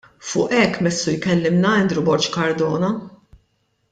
Fuq hekk imissu jkellimna Andrew Borg Cardona!